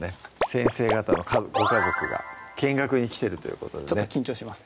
先生方のご家族が見学に来てるということでちょっと緊張します